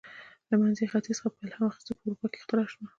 له منځني ختیځ څخه په الهام اخیستو په اروپا کې اختراع شوه.